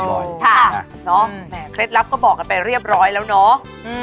แหมเคล็ดลับก็บอกกันไปเรียบร้อยแล้วเนาะ